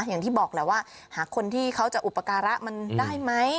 อย่างที่บอกแหละว่าหาคนที่เขาจะอุปการะมันได้ไหม